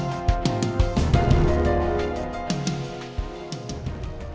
waalaikumsalam warahmatullahi wabarakatuh